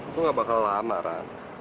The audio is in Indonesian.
lu gak bakal lama ran